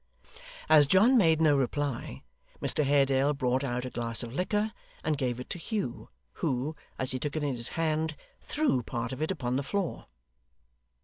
As John made no reply, Mr Haredale brought out a glass of liquor, and gave it to Hugh, who, as he took it in his hand, threw part of it upon the floor.